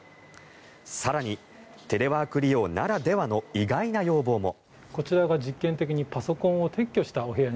更に、テレワーク利用ならではの意外な要望も。